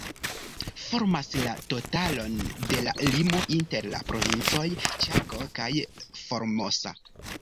Formas la totalon de la limo inter la Provincoj Ĉako kaj Formosa.